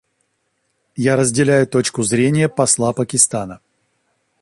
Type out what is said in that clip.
Я разделяю точку зрения посла Пакистана.